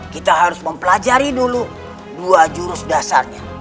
kita harus mempelajari dulu dua jurus dasarnya